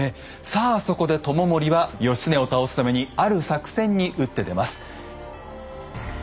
さあそこで知盛は義経を倒すためにある作戦に打って出ます。